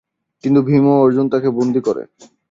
কিন্তু ভীম ও অর্জুন তাকে বন্দী করে।